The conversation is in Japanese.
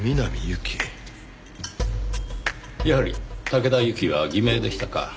やはり竹田ユキは偽名でしたか。